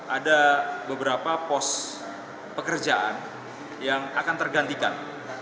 ada beberapa pos pekerjaan yang akan tergantikan